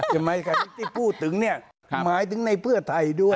ใช่ไหมครับที่พูดถึงเนี่ยหมายถึงในเพื่อไทยด้วย